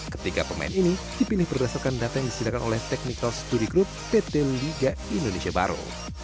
ketiga pemain ini dipilih berdasarkan data yang disediakan oleh technical studi group pt liga indonesia baru